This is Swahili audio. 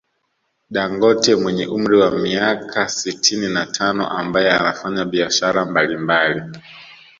Dangote mwenye umri wa miaka sitini na tano ambaye anafanya biashara mbali mbali